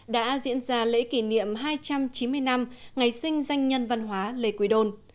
đã diễn ra lễ kỷ niệm hai trăm chín mươi năm ngày sinh danh nhân văn hóa lê quý đôn